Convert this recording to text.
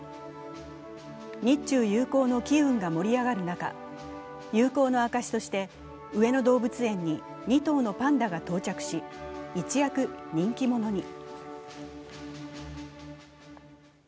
日中友好の機運が盛り上がる中、友好の証しとして上野動物園に２頭のパンダが到着し一躍人気者に。